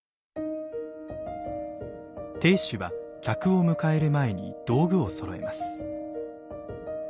亭主は客を迎える前に道具をそろえます。